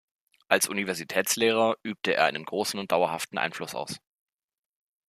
Als Universitätslehrer übte er einen großen und dauerhaften Einfluss aus.